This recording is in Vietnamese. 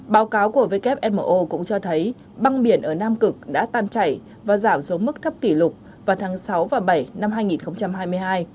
báo cáo của wmo cũng cho thấy băng biển ở nam cực đã tan chảy và giảm xuống mức thấp kỷ lục vào tháng sáu và bảy năm hai nghìn hai mươi hai